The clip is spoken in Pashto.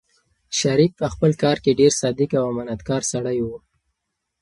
شریف په خپل کار کې ډېر صادق او امانتکار سړی و.